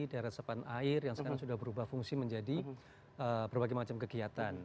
daerah sepan air yang sekarang sudah berubah fungsi menjadi berbagai macam kegiatan